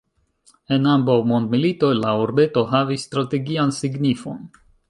En ambaŭ mondmilitoj la urbeto havis strategian signifon.